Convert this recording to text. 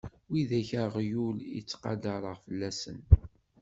Widak aɣyul i ttqadareɣ fell-asen.